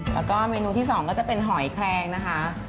แล้วก็เมนูที่สองก็จะเป็นหอยแคลงนะคะ